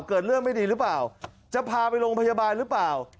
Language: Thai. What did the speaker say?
เกิดเรื่องไม่ดีหรือเปล่าจะพาไปโรงพยาบาลหรือเปล่า